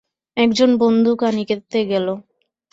এক জন বন্দুক আনিতে গেল।